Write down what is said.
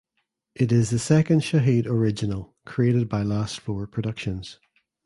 It is the second Shahid Original created by Last Floor Productions.